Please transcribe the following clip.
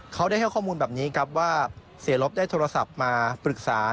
เขาได้ให้ข้อมูลแบบนี้ครับว่าเสียลบได้โทรศัพท์มาปรึกษา